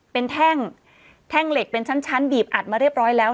เป็นแท่งเหล็กเป็นชั้นบีบอัดมาเรียบร้อยแล้ว